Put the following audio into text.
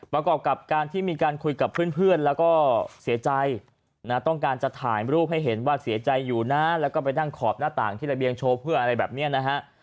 ประกอบกับการที่มีการคุยกับเพื่อนแล้วก็เสียใจนะต้องการจะถ่ายรูปให้เห็นว่าเสียใจอยู่นะแล้วก็ไปนั่งขอบหน้าต่างที่ระเบียงโชว์เพื่ออะไรแบบนี้นะฮะ